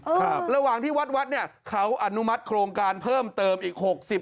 ครับระหว่างที่วัดวัดเนี้ยเขาอนุมัติโครงการเพิ่มเติมอีกหกสิบ